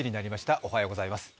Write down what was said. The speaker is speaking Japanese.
おはようございます。